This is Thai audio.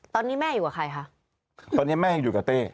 ตอนนี้แม่อยู่กับใครคะตอนนี้แม่ยังอยู่กับเต้